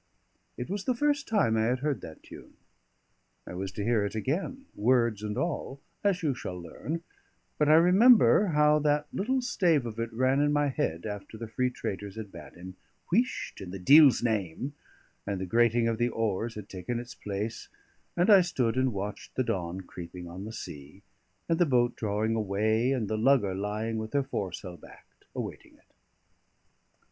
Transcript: It was the first time I had heard that tune; I was to hear it again, words and all, as you shall learn, but I remember how that little stave of it ran in my head after the free traders had bade him "Wheesht, in the deil's name," and the grating of the oars had taken its place, and I stood and watched the dawn creeping on the sea, and the boat drawing away, and the lugger lying with her foresail backed awaiting it.